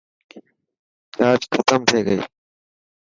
چارج ختم ٿي گئي.